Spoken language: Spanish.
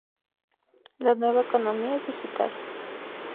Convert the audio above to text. La nueva economía es digital.